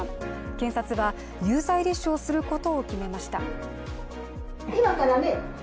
検察は有罪立証することを決めました。